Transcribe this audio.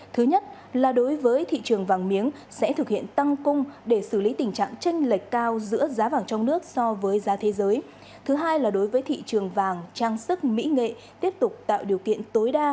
thứ nhất là đối với thị trường vàng miếng sẽ thực hiện tăng cung để xử lý tình trạng tranh lệch cao giữa giá vàng trong nước so với giá thế giới